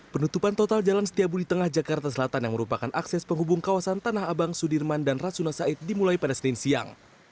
penutupan total jalan setiabudi tengah jakarta selatan yang merupakan akses penghubung kawasan tanah abang sudirman dan rasuna said dimulai pada senin siang